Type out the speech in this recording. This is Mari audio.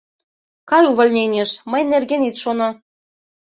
Кай увольненийыш, мыйын нерген ит шоно.